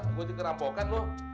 aku dikerampokkan ruf